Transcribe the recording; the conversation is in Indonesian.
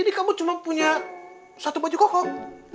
jadi kamu cuma punya satu baju gokok